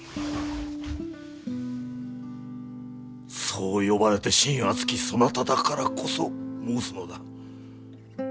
そう呼ばれて信厚きそなただからこそ申すのだ。